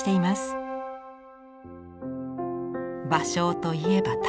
芭蕉といえば旅。